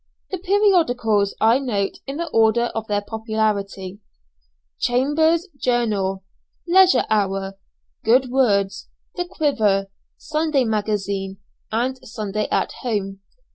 The periodicals I note in the order of their popularity, "Chambers's Journal," "Leisure Hour," "Good Words," "The Quiver," "Sunday Magazine," and "Sunday at Home."